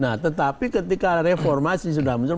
nah tetapi ketika reformasi sudah muncul